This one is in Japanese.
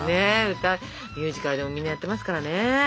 歌ミュージカルでもみんなやってますからね